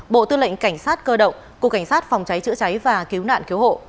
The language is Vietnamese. bộ tư lệnh cảnh sát cơ động cục cảnh sát phòng cháy chữa cháy và cứu nạn cứu hộ